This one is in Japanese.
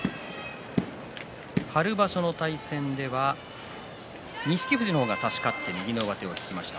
春場所の対戦では錦富士の方が差し勝って右の上手を引きました。